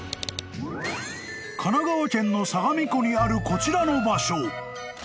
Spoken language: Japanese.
［神奈川県の相模湖にあるこちらの場所］